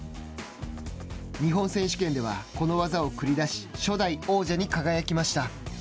日本選手権では、この技を繰り出し、初代王者に輝きました。